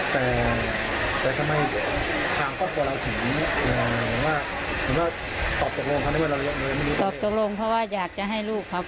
แต่ถ้าไม่ติดทางครอบครัวเราถึง